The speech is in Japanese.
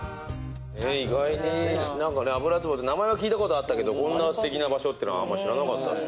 意外に油壺って名前は聞いたことあったけどこんなすてきな場所ってのはあんま知らなかった。